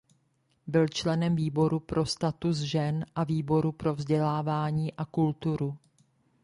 Byl členem výboru pro status žen a výboru pro vzdělávání a kulturu.